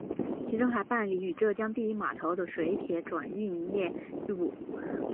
其中还办理与浙江第一码头的水铁转运业务。